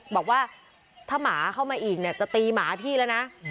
บอกว่าถ้าหมาเข้ามาอีกเนี่ยจะตีหมาพี่แล้วนะ